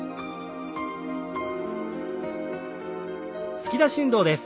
突き出し運動です。